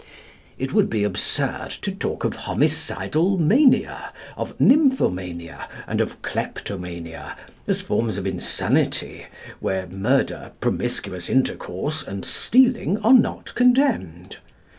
It would be absurd to talk of homicidal mania, of nymphomania, and of kleptomania, as forms of insanity, where murder, promiscuous intercourse, and stealing are not condemned.